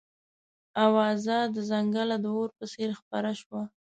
اوازه د ځنګله د اور په څېر خپره شوه.